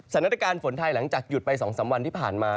สถานการณ์ฝนไทยหลังจากหยุดไป๒๓วันที่ผ่านมา